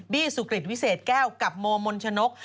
สุกริตวิเศษแก้วกับโมมนชนก